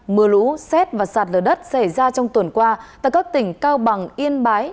mưa lũ xét và sạt lở đất xảy ra trong tuần qua tại các tỉnh cao bằng yên bái